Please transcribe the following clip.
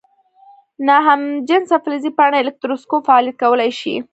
ناهمجنسه فلزي پاڼې الکتروسکوپ فعالیت کولی شي؟